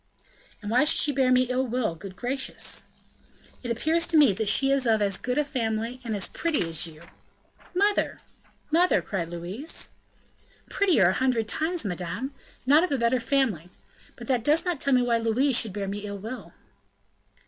"And why should she bear me ill will, good gracious?" "It appears to me that she is of as good a family, and as pretty as you." "Mother! mother!" cried Louise. "Prettier a hundred times, madame not of a better family; but that does not tell me why Louise should bear me ill will."